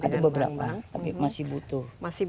ada beberapa tapi masih butuh